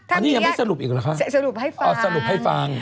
อันนี้ยังไม่สรุปอีกเหรอคะสรุปให้ฟัง